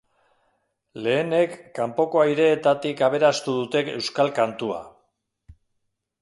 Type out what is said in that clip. Lehenek kanpoko aireetarik aberastu dute euskal kantua.